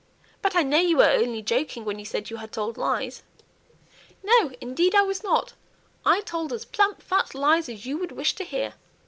But I know you were only joking when you said you had told lies." "No, indeed, I wasn't. I told as plump fat lies as you would wish to hear.